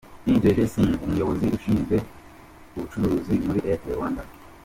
Indrajeet Singh umuyobozi ushinzwe ubucuruzi muri Airtel Rwanda.